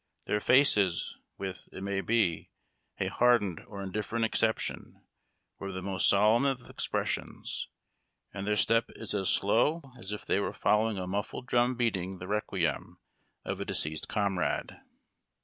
Their faces, with, it may be, a hardened or indifferent exception, wear the most solemn of expressions, and their step is as slow as if 106 UAED TACK AND COFFEE. they were following a muffled drum beating the requiem of a deceased comrade.